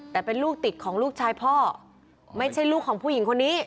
แต่เป็นลูกติดของลูกชายพ่อไม่ใช่ลูกของผู้หญิงคนนี้